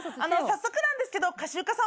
早速なんですけどかしゆかさん